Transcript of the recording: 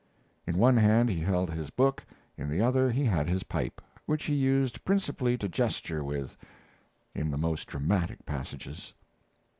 In one hand he held his book, in the other he had his pipe, which he used principally to gesture with in the most dramatic passages.